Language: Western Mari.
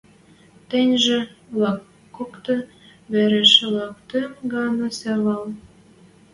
Тӹньжӹ луаткокты вӓреш луаткым гӓнӓ севӓл.